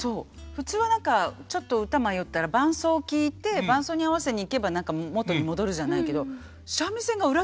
普通は何かちょっと歌迷ったら伴奏を聴いて伴奏に合わせにいけば何か元に戻るじゃないけど。